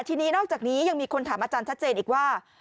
ทีนี้นอกจากนี้ยังมีคนถามอาจารย์ชัดเจนอีกว่า